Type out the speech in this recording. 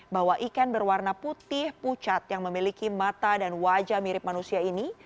bahwa ikan berwarna putih pucat yang memiliki mata dan wajah mirip manusia ini